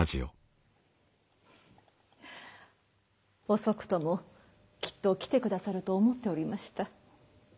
遅くともきっと来てくださると思っておりました。